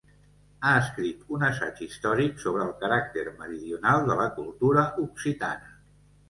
Ha escrit un assaig històric sobre el caràcter meridional de la cultura occitana.